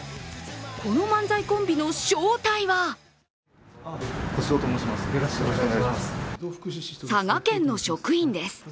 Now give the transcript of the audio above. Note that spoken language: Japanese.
この漫才コンビの正体は佐賀県の職員です。